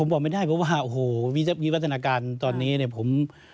ผมบอกไม่ได้เพราะว่าโอ้โหวิวัฒนาการตอนนี้เนี่ยผม